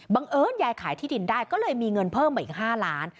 เอิญยายขายที่ดินได้ก็เลยมีเงินเพิ่มมาอีก๕ล้าน